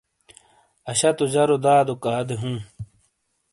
اَشاتوجَرو دادوک آدے ہُوں۔